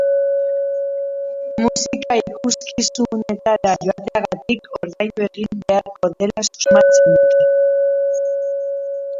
Musika ikuskizunetara joategatik ordaindu egin beharko dela susmatzen dute.